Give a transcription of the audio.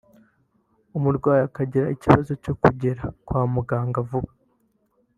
umurwayi akagira ikibazo cyo kugera kwa muganga vuba